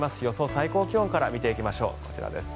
最高気温から見ていきましょう。